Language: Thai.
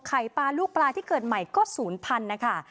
ไข่ปลาลูกปลาที่เกิดใหม่ก็ศูนย์พันธุ์นะคะ